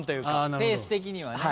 ペース的にはね。